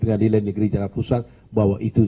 pengadilan negeri jakarta pusat bahwa itu